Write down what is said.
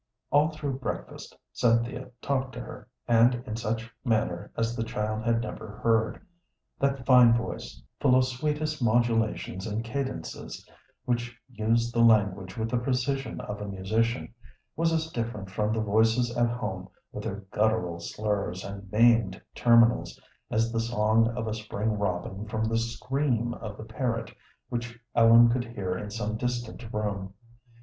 All through breakfast Cynthia talked to her, and in such manner as the child had never heard. That fine voice, full of sweetest modulations and cadences, which used the language with the precision of a musician, was as different from the voices at home with their guttural slurs and maimed terminals as the song of a spring robin from the scream of the parrot which Ellen could hear in some distant room.